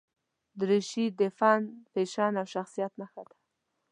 دریشي د فن، فیشن او شخصیت نښه ده.